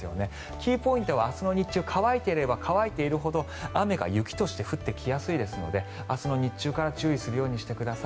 キーポイントは、明日の日中乾いていれば乾いているほど雨が雪として降ってきやすいですので明日の日中から注意するようにしてください。